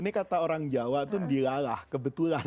ini kata orang jawa itu dilalah kebetulan